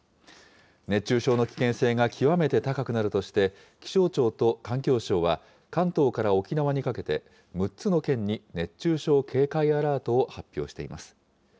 熱中症の危険性が極めて高くなるとして、気象庁と環境省は、関東から沖縄にかけて、６つの県に熱中症警戒アラートを発表しています。